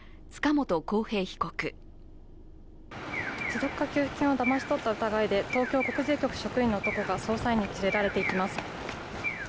持続化給付金をだまし取った疑いで東京国税局職員の男が捜査員に連れられていきます。